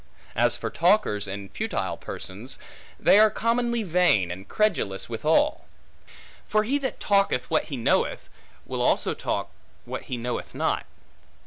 As for talkers and futile persons, they are commonly vain and credulous withal. For he that talketh what he knoweth, will also talk what he knoweth not.